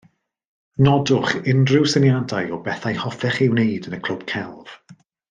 Nodwch unrhyw syniadau o bethau hoffech ei wneud yn y clwb celf